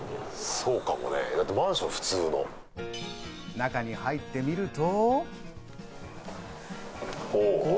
中に入ってみると。